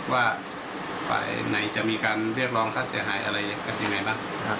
ว่าฝ่ายไหนจะมีการเรียกร้องค่าเสียหายอะไรอย่างนี้กันอย่างไรบ้าง